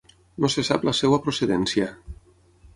No se sap la seva procedència.